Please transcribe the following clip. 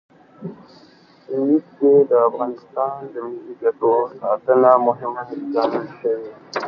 لیک کې د افغانستان د ملي ګټو ساتنه مهمه ګڼل شوې.